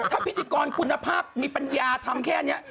ถ้าพิธีกรคุณภาพมีปัญญาทำแค่นี้